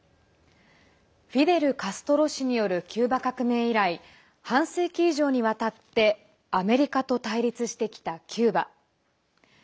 フィデル・カストロ氏によるキューバ革命以来半世紀以上にわたってアメリカと対立してきたキューバ。